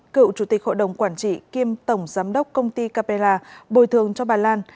cựu chủ tịch hội đồng quản trị kiêm tổng giám đốc công ty capella bồi thường cho bà lan